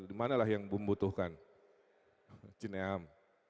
dimanalah yang membutuhkan cineam